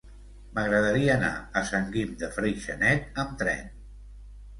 M'agradaria anar a Sant Guim de Freixenet amb tren.